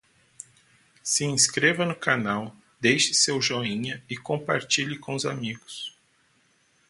Se inscreva no canal, deixe seu joinha e compartilhe com os amigos